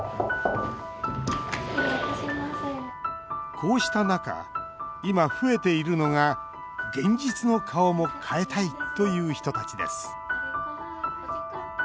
こうした中今、増えているのが「現実の顔も変えたい」という人たちです。